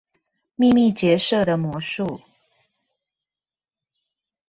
秘密結社的魔術